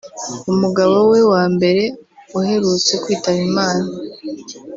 umugabo we wa mbere uherutse kwitaba Imana